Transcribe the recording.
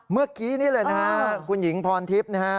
เมื่อกี้นี่เลยนะฮะคุณหญิงพรทิพย์นะฮะ